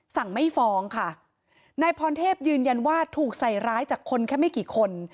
สั่งไม่ฟ้องค่ะนายพรเทพยืนยันว่าถูกใส่ร้ายจากคนแค่ไม่กี่คน